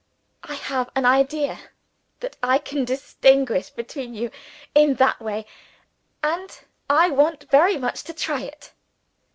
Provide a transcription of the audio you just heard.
I have an idea that I can distinguish between you, in that way and I want very much to try it."